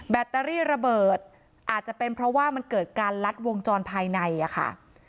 แตรี่ระเบิดอาจจะเป็นเพราะว่ามันเกิดการลัดวงจรภายในอะค่ะ